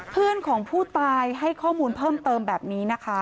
เพื่อนของผู้ตายให้ข้อมูลเพิ่มเติมแบบนี้นะคะ